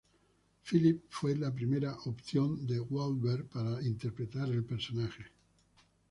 Phillippe fue la primera opción de Wahlberg para interpretar el personaje.